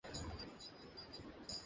কী যথেষ্ট হবে না?